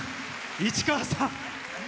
市川さん。